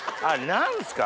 何ですか？